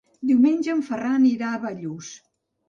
Diumenge en Ferran irà a Bellús.